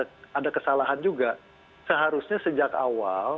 punya kesalahan juga seharusnya sejak awal